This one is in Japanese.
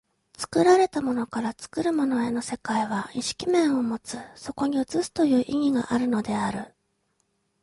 作られたものから作るものへの世界は意識面を有つ、そこに映すという意義があるのである。